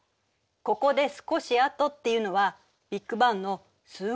ここで「少しあと」っていうのはビッグバンの数億年後よ。